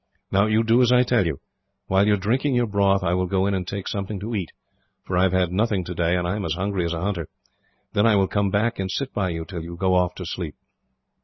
"Now, you do as I tell you. While you are drinking your broth, I will go in and take something to eat, for I have had nothing today, and am as hungry as a hunter. Then I will come back, and sit by you till you go off to sleep."